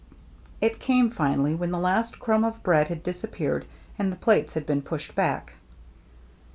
It came, finally, when the last crumb of bread had disappeared and the plates had been pushed back.